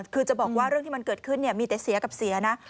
คือจะบอกว่าเรื่องที่มันเกิดขึ้นมีแต่เสียกับเสียนะ